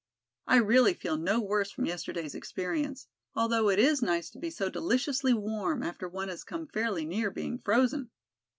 I really feel no worse from yesterday's experience, although it is nice to be so deliciously warm after one has come fairly near being frozen."